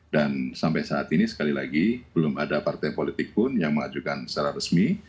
tapi lagi belum ada partai politik pun yang mengajukan secara resmi